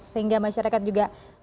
sehingga masyarakat juga